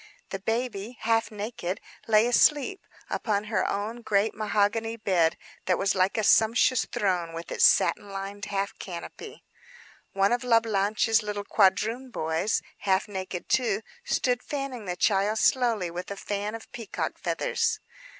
The baby, half naked, lay asleep upon her own great mahogany bed, that was like a sumptuous throne, with its satin lined half canopy. One of La Blanche's little quadroon boys—half naked too—stood fanning the child slowly with a fan of peacock feathers.